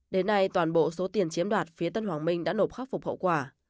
đến nay toàn bộ số tiền chiếm đoạt phía tân hoàng minh đã nộp khắc phục hậu quả